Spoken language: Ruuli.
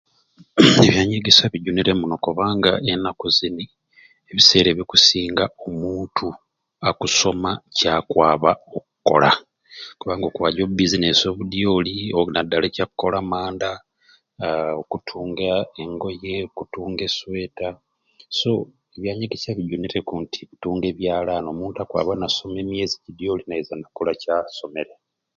Ebyanyegesya bijunire muno kubanga enaku zini ebiseera ebikusinga omuntu akusoma kyakwaba okoola kubanga okwaja obubizinensi obudyoli nadala ekyakola manda aahh okutunga engoye, okutunga esweeta so ebyanyegesya bijunireku nti okutunga ebyalani omuntu akwaba nasoma emyezi jidyoli naiza nakola kyasomere.